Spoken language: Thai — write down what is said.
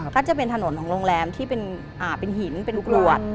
ก็จะเป็นถนนของโรงแรมที่เป็นหินเป็นกรวด